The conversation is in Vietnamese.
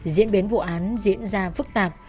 diễn biến vụ án diễn ra phức tạp